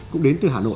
cũng đến từ hà nội